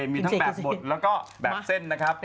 มีทั้งแบบบดแล้วก็แบบเส้นนะครับ